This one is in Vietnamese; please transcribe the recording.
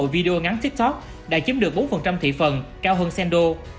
video ngắn tiktok đã chiếm được bốn thị phần cao hơn sendo